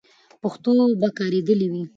پښتو به کارېدلې وي.